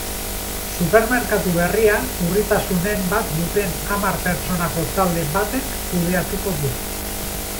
Supermerkatu berria urritasunen bat duten hamar pertsonako talde batek kudeatuko du.